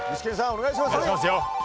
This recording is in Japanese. お願いしますよ！